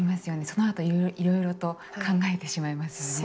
そのあといろいろと考えてしまいますよね。